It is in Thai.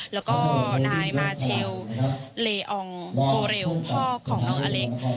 แล้วก็นายมาเชลเลอองโกเรลพ่อของน้องอเล็ก